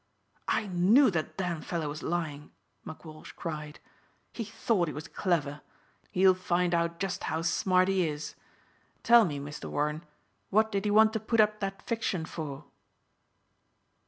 "I knew that damned fellow was lying," McWalsh cried. "He thought he was clever. He'll find out just how smart he is! Tell me, Mr. Warren, what did he want to put up that fiction for?"